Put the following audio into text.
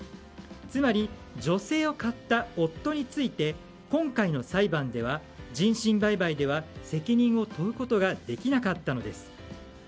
つまり、女性を買った夫について今回の裁判では人身売買では責任を問うことができなかったのです。